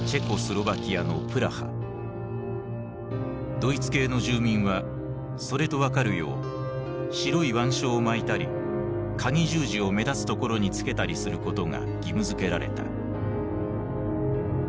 ドイツ系の住民はそれと分かるよう白い腕章を巻いたり鉤十字を目立つところにつけたりすることが義務付けられた。